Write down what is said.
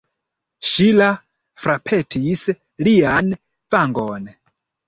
Ŝila frapetis lian vangon.